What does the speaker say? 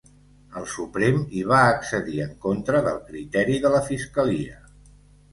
El Suprem hi va accedir en contra del criteri de la fiscalia.